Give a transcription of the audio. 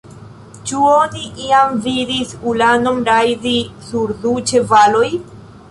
Ĉu oni iam vidis ulanon rajdi sur du ĉevaloj!?